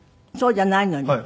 そうじゃないのに？